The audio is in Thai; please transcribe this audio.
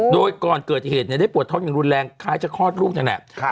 โดยก่อนเกิดอีกเหตุเนี่ยได้ปวดท้องอย่างรุนแรงคล้ายจะคลอดลูกจนแหละ